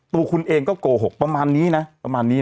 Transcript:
ตัวคุณเองก็โกหกประมาณนี้นะ